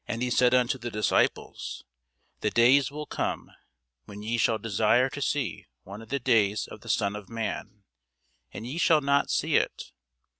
And he said unto the disciples, The days will come, when ye shall desire to see one of the days of the Son of man, and ye shall not see it.